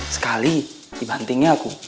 sekali di bantingnya aku